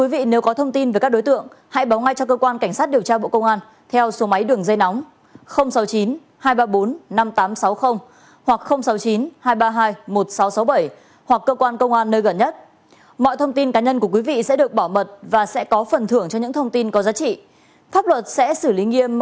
văn phòng cơ quan cảnh sát điều tra bộ công an phối hợp thực hiện